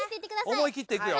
思いきっていくよ。